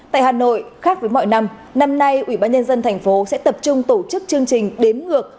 tại hà nội khác với mọi năm năm nay ủy ban nhân dân thành phố sẽ tập trung tổ chức chương trình đếm ngược